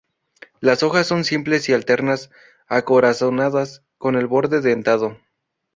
Las hojas son simples y alternas, acorazonadas con el borde dentado.